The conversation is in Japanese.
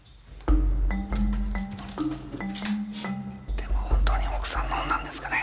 でも本当に奥さん飲んだんですかね？